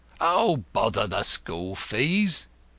"Bother the school fees!"